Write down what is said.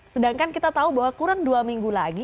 sedangkan kita tahu bahwa kurang dua minggu lagi